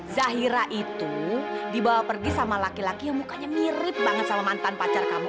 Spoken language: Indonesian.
zahira itu dibawa pergi sama laki laki yang mukanya mirip banget sama mantan pacar kamu